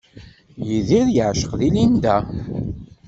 Yidir yeɛceq di Linda.